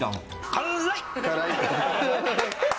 辛い！